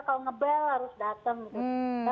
kalau ngebel harus datang gitu